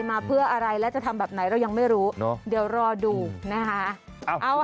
มาเพื่ออะไรและจะทำแบบไหนเรายังไม่รู้เนอะเดี๋ยวรอดูนะคะ